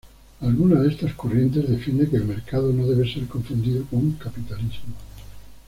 Algunas de estas corrientes defienden que el mercado no debe ser confundido con capitalismo.